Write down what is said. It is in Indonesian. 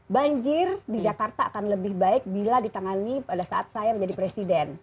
banjir di jakarta akan lebih baik bila ditangani pada saat saya menjadi presiden